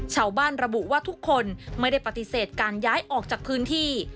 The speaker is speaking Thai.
ชาวบ้านระบุว่าทุกคนไม่ได้ปฏิเสธการย้ายออกจากพื้นที่